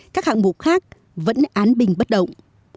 các hạng mục khác vẫn án bình bất động